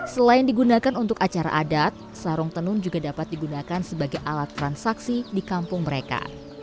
selain digunakan untuk acara adat sarung tenun juga dapat digunakan sebagai alat transaksi di kampung mereka